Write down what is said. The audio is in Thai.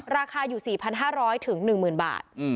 ราคาอยู่๔๕๐๐๑๐๐๐บาท